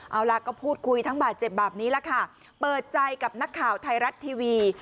เอาล่ะก็พูดคุยทั้งบาดเจ็บแบบนี้แหละค่ะเปิดใจกับนักข่าวไทยรัฐทีวี